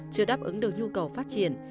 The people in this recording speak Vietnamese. chưa đáp ứng được nhu cầu phát triển